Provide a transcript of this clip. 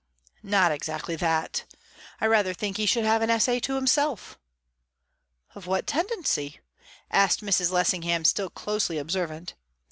"Not exactly that. I rather think he should have an essay to himself." "Of what tendency?" asked Mrs. Lessingham, still closely observant.